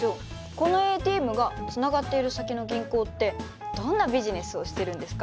このＡＴＭがつながっている先の銀行ってどんなビジネスをしてるんですか？